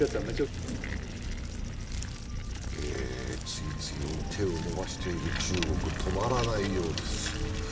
次々に手を伸ばしている中国、止まらないようです。